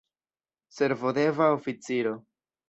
Servodeva oficiro.